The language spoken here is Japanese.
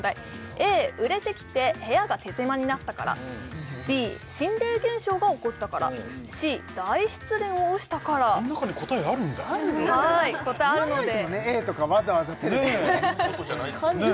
Ａ売れてきて部屋が手狭になったからＢ心霊現象が起こったからＣ大失恋をしたからこん中に答えあるんだはい言わないですもんね